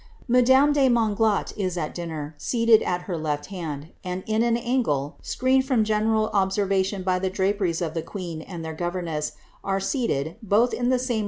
Madame de Monglat is at dinner, seated at her left hand, and in an angle, screened from general observation by the draperies of the queen and their governess, are seated, both in the same?